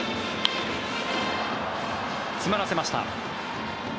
詰まらせました。